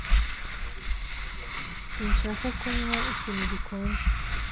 Sinshaka kunywa ikintu gikonje.